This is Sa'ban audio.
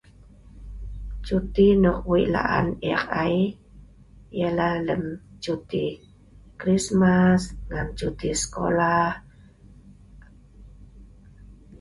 Cuti nok wei' la'an ek ai ialah lem cuti krismas, ngan suti sekala,